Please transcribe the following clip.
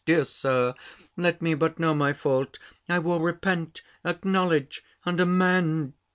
Dear Sir, let me but know my fault: I will repent, acknowledge, and amend."